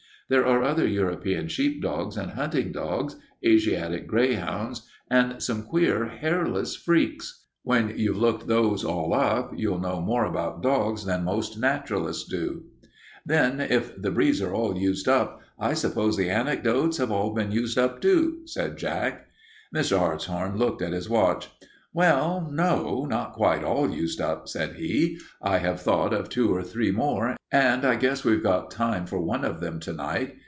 There are other European sheepdogs and hunting dogs, Asiatic greyhounds, and some queer hairless freaks. When you've looked those all up you'll know more about dogs than most naturalists do." "Then if the breeds are all used up, I suppose the anecdotes have all been used up, too," said Jack. Mr. Hartshorn looked at his watch. "Well, no, not quite all used up," said he. "I have thought of two or three more, and I guess we've got time for one of them to night.